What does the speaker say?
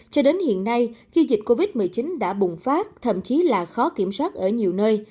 cho đến hiện nay khi dịch covid một mươi chín đã bùng phát thậm chí là khó kiểm soát ở nhiều nơi